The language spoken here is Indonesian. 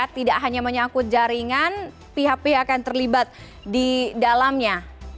tidak hanya menyangkut jaringan pihak pihak yang terlibat di dalamnya